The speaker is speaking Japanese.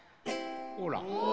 ほら。